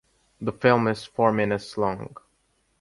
The film is four minutes long.